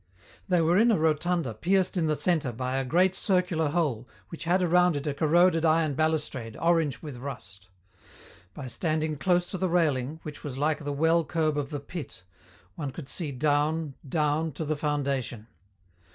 They were in a rotunda pierced in the centre by a great circular hole which had around it a corroded iron balustrade orange with rust. By standing close to the railing, which was like the well curb of the Pit, one could see down, down, to the foundation.